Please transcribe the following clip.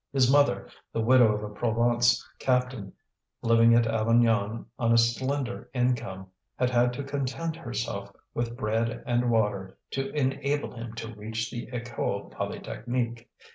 His mother, the widow of a Provence captain, living at Avignon on a slender income, had had to content herself with bread and water to enable him to reach the École Polytechnique.